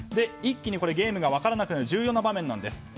一気にゲームが分からなくなる重要な場面なんです。